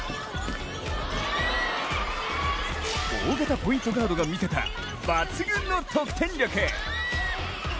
大型ポイントガードが見せた抜群の得点力。